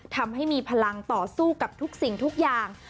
ทำให้มีพลังต่อสู้กับทุกสิ่งทุกอย่าง